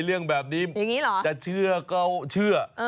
เรื่องแบบนี้จะเชื่อก็เชื่ออย่างนี้เหรอ